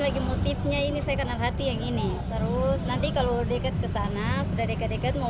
lagi motifnya ini saya kenal hati yang ini terus nanti kalau dekat kesana sudah dekat dekat mau